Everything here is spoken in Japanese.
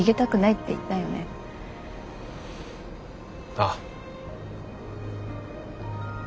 ああ。